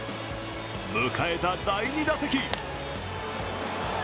迎えた第２打席。